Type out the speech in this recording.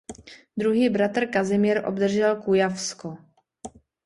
Druhý bratr Kazimír obdržel Kujavsko.